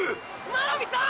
真波さん！！